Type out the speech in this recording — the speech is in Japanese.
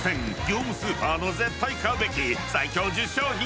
業務スーパーの絶対買うべき最強１０商品